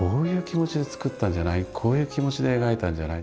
こういう気持ちで描いたんじゃない？